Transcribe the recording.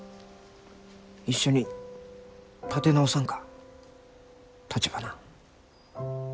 一緒に建て直さんかたちばな。